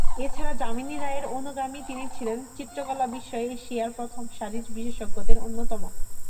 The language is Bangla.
এছাড়া যামিনী রায়ের অনুগামী তিনি ছিলেন চিত্রকলা বিষয়ে এশিয়ার প্রথম সারির বিশেষজ্ঞদের অন্যতম।